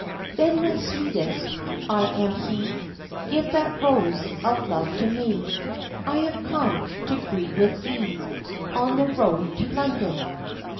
"Then my sweetest, I am he, Give that rose of love to me, I have come, to greet with thee, On the road, to London!"